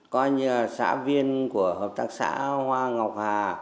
coi như là xã viên của hợp tác xã hoa ngọc hà